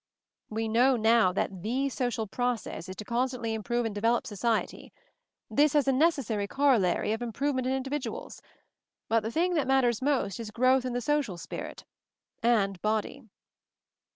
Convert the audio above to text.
"We know now that the social process is to constantly improve and develop society. This has a necessary corollary of improve ment in individuals ; but the thing that mat ters most is growth in the social spirit — and body."